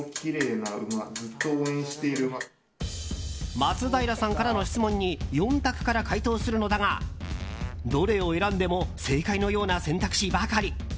松平さんからの質問に４択で回答するのだがどれを選んでも正解のような選択肢ばかり。